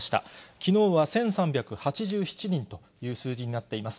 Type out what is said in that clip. きのうは１３８７人という数字になっています。